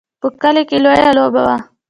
په کلي کې لویه لوبه وه.